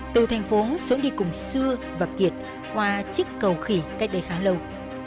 từ thành phố xuống đi cùng xưa và kiệt hoa chiếc cầu khỉ cách đây khá lâu